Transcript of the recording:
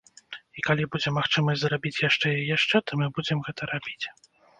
І калі будзе магчымасць зрабіць яшчэ і яшчэ, то мы будзем гэта рабіць.